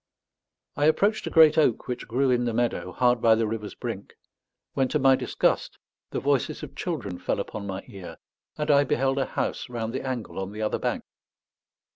I approached a great oak which grew in the meadow, hard by the river's brink; when to my disgust the voices of children fell upon my ear, and I beheld a house round the angle on the other bank.